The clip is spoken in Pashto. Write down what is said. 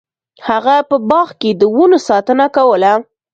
هغه په باغ کې د ونو ساتنه کوله.